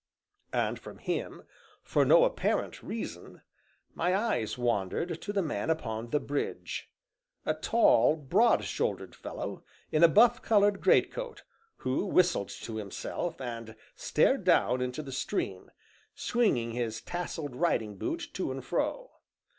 And from him, for no apparent reason, my eyes wandered to the man upon the bridge a tall, broad shouldered fellow, in a buff colored greatcoat, who whistled to himself, and stared down into the stream, swinging his tasselled riding boot to and fro.